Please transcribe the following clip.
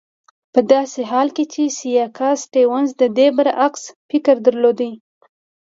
په داسې حال کې چې سیاکا سټیونز د دې برعکس فکر درلود.